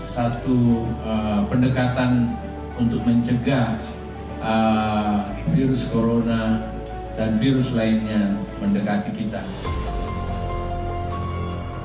satu pendekatan untuk mencegah virus corona dan virus lainnya mendekati kita